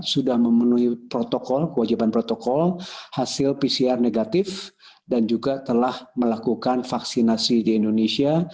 sudah memenuhi protokol kewajiban protokol hasil pcr negatif dan juga telah melakukan vaksinasi di indonesia